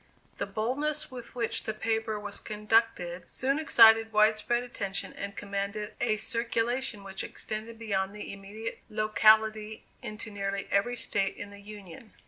The boldness with which the paper was conducted soon excited wide spread attention and commanded a circulation which extended beyond the immediate locality into nearly every State in the Union.